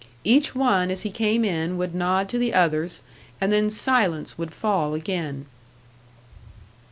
Each one as he came in would nod to the others, and then silence would fall again.